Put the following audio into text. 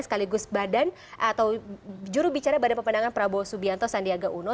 sekaligus jurubicara badan pemendangan prabowo subianto sandiaga uno